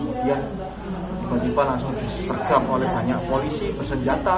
kemudian tiba tiba langsung disergap oleh banyak polisi bersenjata gitu ya